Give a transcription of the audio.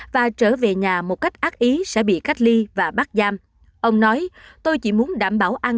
và trở về nhà một cách ác ý sẽ bị cách ly và bắt giam